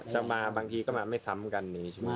จะมาบางทีก็มาไม่ซ้ำกันนี้ใช่ไหมครับ